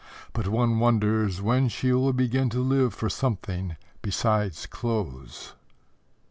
But one wonders when she will begin to live for something besides clothes.